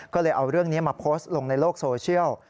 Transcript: ก็เลยเอาเรื่องนี้มาโพสต์ลงในโลกโซเชียล